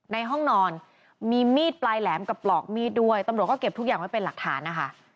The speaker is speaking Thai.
ในห้องนอนมีมีดปลายแหลมกับปลอกมีดด้วยตำรวจก็เก็บทุกอย่างไว้เป็นหลักฐานนะคะ